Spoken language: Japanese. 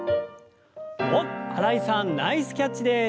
おっ新井さんナイスキャッチです！